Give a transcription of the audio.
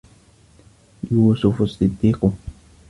يوسف الصديق